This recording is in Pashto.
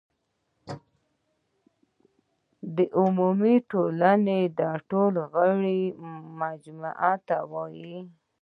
عمومي ټولنه د ټولو غړو مجموعې ته وایي.